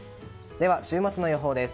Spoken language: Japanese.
週末の予報です。